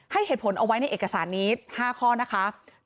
เหตุผลเอาไว้ในเอกสารนี้๕ข้อนะคะ